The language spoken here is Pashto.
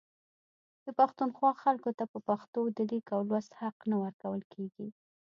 د پښتونخوا خلکو ته په پښتو د لیک او لوست حق نه ورکول کیږي